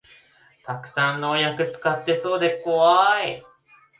たくさん農薬使ってそうでこわい